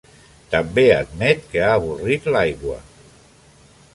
També admet que ha avorrit l'aigua.